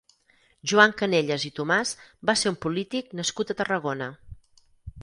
Joan Cañellas i Tomàs va ser un polític nascut a Tarragona.